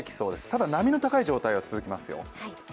ただ、波の高い状態は続きますよ。